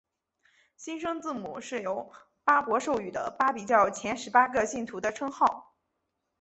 新生字母是由巴孛授予的巴比教前十八个信徒的称号。